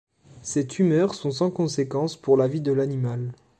Ces tumeurs sont sans conséquences pour la vie de l'animal.